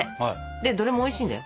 でどれもおいしいんだよ。